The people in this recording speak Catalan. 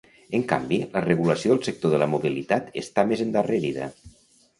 En canvi, la regulació del sector de la mobilitat està més endarrerida.